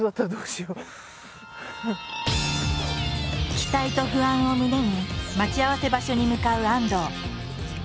期待と不安を胸に待ち合わせ場所に向かう安藤。